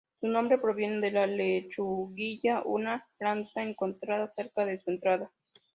Su nombre proviene de la lechuguilla, una planta encontrada cerca de su entrada.